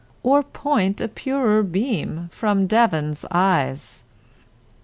Or point a purer beam from Devon's eyes!